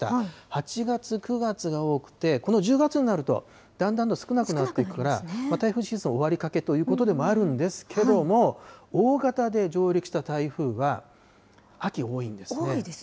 ８月、９月が多くて、この１０月になると、だんだんと少なくなっていくから、台風シーズンは終わりかけということではあるんですけれども、大型で上陸した台風は、秋、多いんですね。